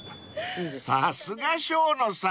［さすが生野さん。